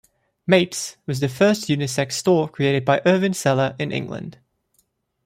'Mates' was the first unisex store created by Irvine Sellar in England.